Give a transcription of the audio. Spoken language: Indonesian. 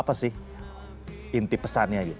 apa sih inti pesannya gitu